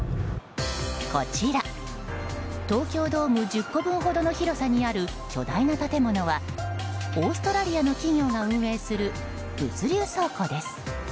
こちら、東京ドーム１０個分ほどの広さにある巨大な建物はオーストラリアの企業が運営する物流倉庫です。